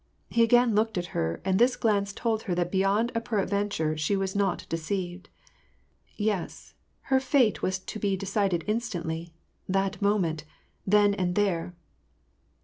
He again looked at her, and this glance told her that beyond a peradventure she was not deceived. Yes : her fate was to be decided instantly, that moment, then and there